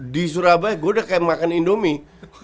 di surabaya gue udah kayak makan indomie